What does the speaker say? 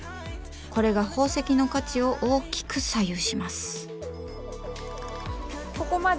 これが宝石の価値を大きく左右します。